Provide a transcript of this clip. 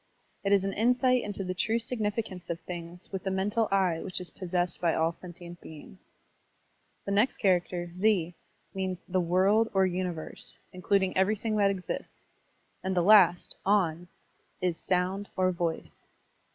It is an insight into the true signifi cance of things with the mental eye which is possessed by all sentient beings. The next char acter, ze, means the "world" or "universe," including everything that exists; and the last, on, is "sotmd" or "voice."